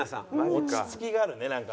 落ち着きがあるねなんか。